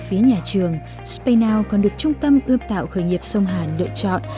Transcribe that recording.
phía nhà trường spaynow còn được trung tâm ươm tạo khởi nghiệp sông hàn lựa chọn